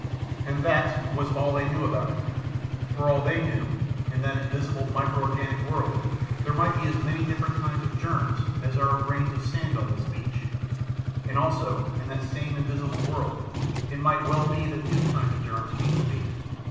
"And that was all they knew about it. For all they knew, in that invisible micro organic world there might be as many different kinds of germs as there are grains of sand on this beach. And also, in that same invisible world it might well be that new kinds of germs came to be.